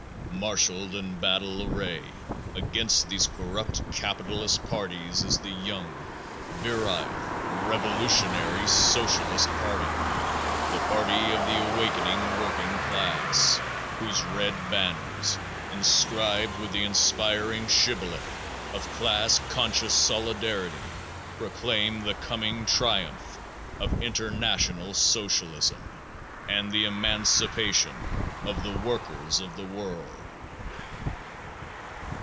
Marshalled in battle array, against these corrupt capitalist parties is the young, virile, revolutionary Socialist party, the party of the awakening working class, whose red banners, inscribed with the inspiring shibboleth of class conscious solidarity, proclaim the coming triumph of international Socialism and the emancipation of the workers of the world.